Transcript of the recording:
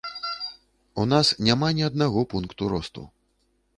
У нас няма ні аднаго пункту росту.